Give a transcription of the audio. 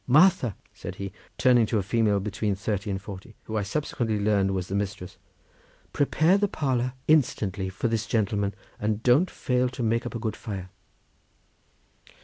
Martha!" said he, turning to a female between thirty and forty, who I subsequently learned was the mistress—"prepare the parlour instantly for this gentleman, and don't fail to make up a good fire."